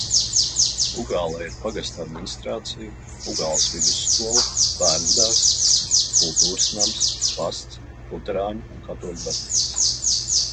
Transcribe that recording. Ugālē ir pagasta administrācija, Ugāles vidusskola, bērnudārzs, kultūras nams, pasts, luterāņu un katoļu baznīcas.